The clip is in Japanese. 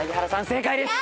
正解です。